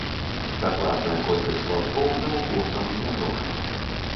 Дакладная колькасць ваўкоў навукоўцам невядомая.